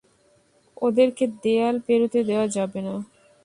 ওদেরকে দেয়াল পেরুতে দেওয়া যাবে না!